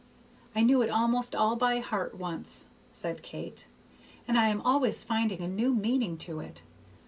I knew it almost all by heart once," said Kate, "and I am always finding a new meaning in it.